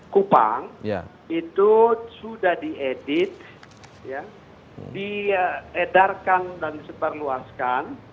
kupang itu sudah diedit diedarkan dan disebarluaskan